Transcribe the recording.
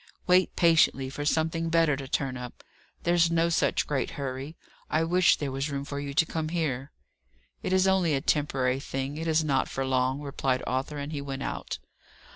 "Wait patiently for something better to turn up. There's no such great hurry. I wish there was room for you to come here!" "It is only a temporary thing; it is not for long," replied Arthur; and he went out.